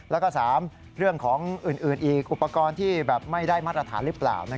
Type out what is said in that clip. แล้วก็สามเรื่องของอุปกรณ์ที่ไม่ได้มาตรฐานหรือเปล่า